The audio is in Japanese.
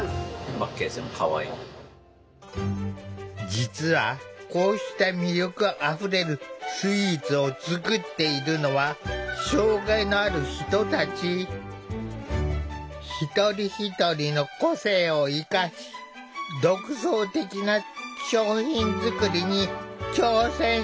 実はこうした魅力あふれるスイーツを作っているのは一人一人の個性を生かし独創的な商品作りに挑戦している。